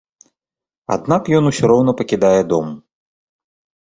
Аднак ён усё роўна пакідае дом.